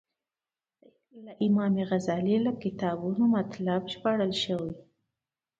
له امام غزالي له کتابو مطالب ژباړل شوي.